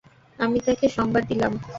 আমি তাকে সংবাদ দিলাম।